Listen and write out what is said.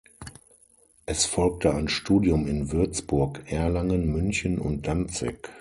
Es folgte ein Studium in Würzburg, Erlangen, München und Danzig.